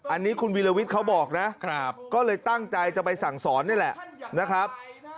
อันนี้คุณวิลวิทย์เขาบอกนะก็เลยตั้งใจจะไปสั่งสอนนี่แหละนะครับ